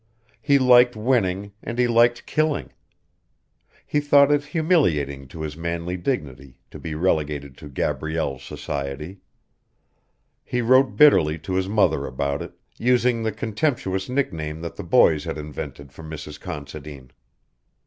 He liked winning and he liked killing; he thought it humiliating to his manly dignity to be relegated to Gabrielle's society. He wrote bitterly to his mother about it, using the contemptuous nickname that the boys had invented for Mrs. Considine.